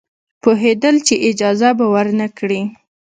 پوهېدل چې اجازه به ورنه کړي.